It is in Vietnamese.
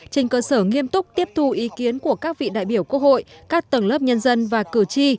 trên cơ sở nghiêm túc tiếp thu ý kiến của các vị đại biểu quốc hội các tầng lớp nhân dân và cử tri